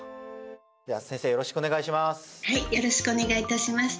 では先生よろしくお願いします！